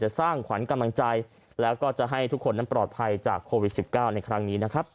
สร้างขวัญกำลังใจแล้วก็จะให้ทุกคนนั้นปลอดภัยจากโควิด๑๙ในครั้งนี้นะครับ